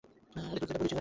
তারা আপনার কী করেছে?